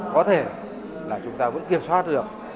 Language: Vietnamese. có thể là chúng ta vẫn kiểm soát được